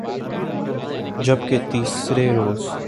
جب کہ تیسرے روز